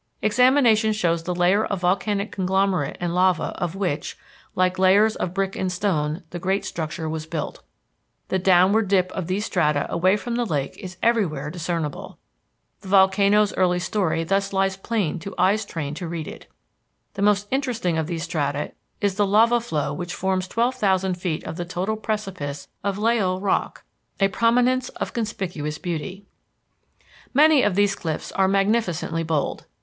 Examination shows the layers of volcanic conglomerate and lava of which, like layers of brick and stone, the great structure was built. The downward dip of these strata away from the lake is everywhere discernible. The volcano's early story thus lies plain to eyes trained to read it. The most interesting of these strata is the lava flow which forms twelve thousand feet of the total precipice of Llao Rock, a prominence of conspicuous beauty. Many of these cliffs are magnificently bold.